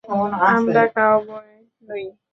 আমরা কাউবয় নই।